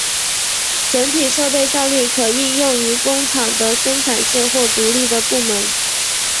整体设备效率可应用于工厂的生产线或独立的部门。